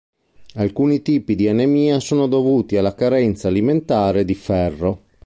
Alcuni tipi di anemia sono dovuti alla carenza alimentare di ferro.